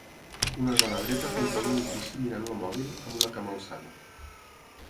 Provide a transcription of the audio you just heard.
Una dona dreta contra un edifici mirant el mòbil, amb una cama alçada.